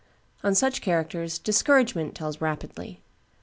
On such characters discouragement tells rapidly.